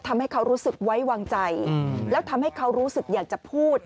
ทำให้เขารู้สึกไว้วางใจแล้วทำให้เขารู้สึกอยากจะพูด